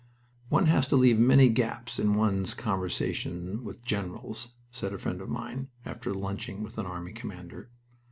"One has to leave many gaps in one's conversation with generals," said a friend of mine, after lunching with an army commander.